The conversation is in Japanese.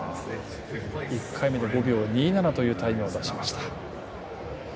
１回目で５秒２７というタイムを出しました。